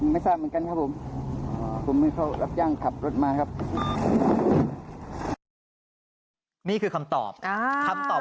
เมื่อเวลาเมื่อเวลาเมื่อเวลาเมื่อเวลา